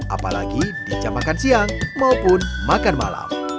apalagi di jam makan siang maupun makan malam